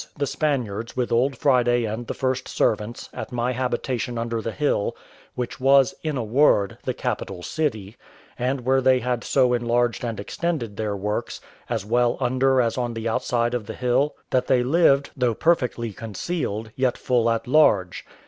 the Spaniards, with old Friday and the first servants, at my habitation under the hill, which was, in a word, the capital city, and where they had so enlarged and extended their works, as well under as on the outside of the hill, that they lived, though perfectly concealed, yet full at large.